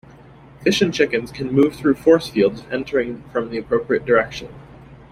Fish and chickens can move through force fields if entering from the appropriate direction.